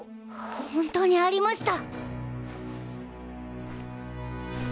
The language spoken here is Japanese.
本当にありました。